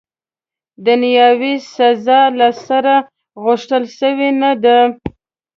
دنیاوي سزا، له سره، غوښتل سوې نه ده.